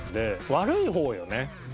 悪い方よね。